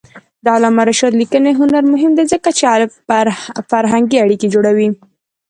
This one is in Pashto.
د علامه رشاد لیکنی هنر مهم دی ځکه چې فرهنګي اړیکې جوړوي.